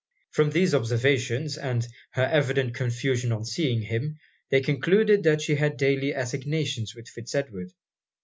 From these observations, and her evident confusion on seeing him, they concluded that she had daily assignations with Fitz Edward.